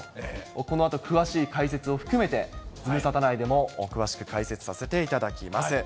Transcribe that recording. このあと、詳しい解説を含めて、ズムサタ内でも詳しく解説させていただきます。